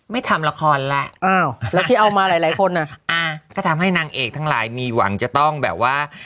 ไม่ทำละครแล้วแล้วที่เอามาหลายหลายคนอ่ะอ่าก็ทำให้นางเอกทั้งหลายมีหวังจะต้องแบบว่า